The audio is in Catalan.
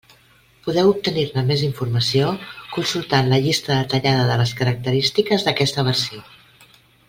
Podeu obtenir-ne més informació consultant la llista detallada de les característiques d'aquesta versió.